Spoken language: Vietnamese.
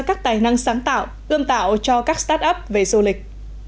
các tài năng sáng tạo ươm tạo cho các start up về du lịch